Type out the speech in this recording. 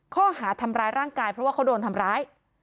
ข้อหาทำร้ายร่างกายเพราะว่าเขาโดนทำร้าย